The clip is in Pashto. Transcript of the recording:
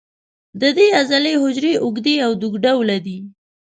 د دې عضلې حجرې اوږدې او دوک ډوله دي.